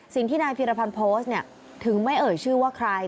สิ่งที่นายพีรพันธ์โพสต์เนี่ยถึงไม่เอ่ยชื่อว่าใคร